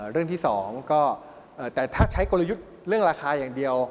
เรื่องที่๒ก็แต่ถ้าใช้กลยุทธ์เรื่องราคาอย่างเดียว